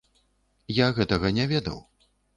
Я гэтага не ведаў.